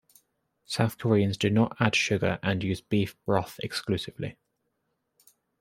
South Koreans do not add sugar and use beef broth exclusively.